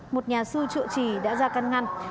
một nhà sư trựa trì đã ra căn ngăn